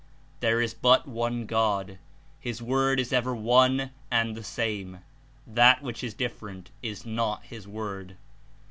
There is but One God; His Word is ever one and the same. That which is different is not His Word.